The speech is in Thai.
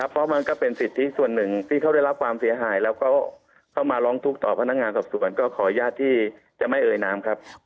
เพราะมันก็เป็นสิทธิส่วนหนึ่งที่เขาได้รับความเสียหายแล้วก็เข้ามาร้องทุกข์ต่อพนักงานสอบสวนก็ขออนุญาตที่จะไม่เอ่ยนามครับ